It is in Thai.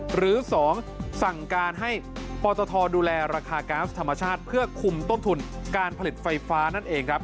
หรือ๒สั่งการให้ปตทดูแลราคาก๊าซธรรมชาติเพื่อคุมต้นทุนการผลิตไฟฟ้านั่นเองครับ